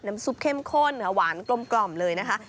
ซุปเข้มข้นหวานกลมเลยนะคะ